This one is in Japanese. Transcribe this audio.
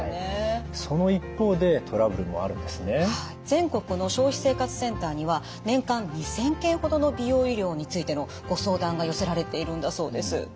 全国の消費生活センターには年間２，０００件ほどの美容医療についてのご相談が寄せられているんだそうです。